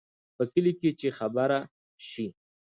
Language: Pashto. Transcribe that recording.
په کلي کې چې خبره شي،